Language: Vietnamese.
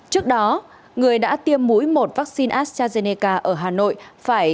trước đó người đã tiêm mũi một vaccine astrazeneca ở hà nội phải